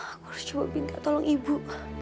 aku harus coba minta tolong ibu